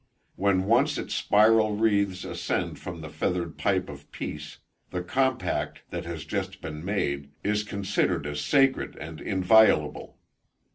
When once its spiral wreaths ascend from the feathered pipe of peace, the compact that has just been made, is considered as sacred and inviolable.